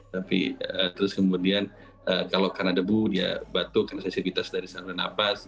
tapi terus kemudian kalau karena debu dia batuk karena sensifitas dari saluran nafas